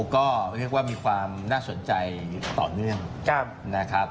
ก็เรียกว่ามีความน่าสนใจต่อเนื่องนะครับ